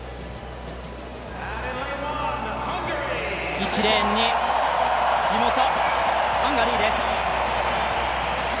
１レーンに地元ハンガリーです。